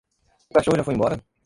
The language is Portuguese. O cachorro já foi embora?